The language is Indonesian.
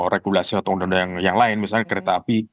regulasi atau yang lain misalnya kereta api